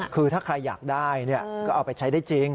คือถ้าใครอยากได้ก็เอาไปใช้ได้จริง